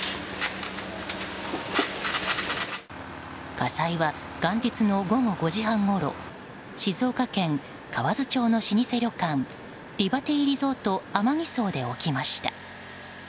火災は元日の午後５時半ごろ静岡県河津町の老舗旅館リバティリゾートＡＭＡＧＩＳＯで起きました。